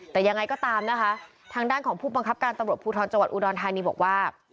แต่ยังไงก็ตามนะคะทางด้านของผู้บังคับการตำรวจภูทรจังหวัดอุดรธานีบอกว่า